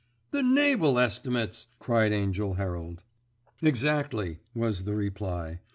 "The Naval Estimates!" cried Angell Herald. "Exactly," was the reply.